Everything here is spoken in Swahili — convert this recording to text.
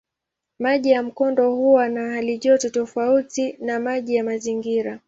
Maji ya mkondo huwa na halijoto tofauti na maji ya mazingira.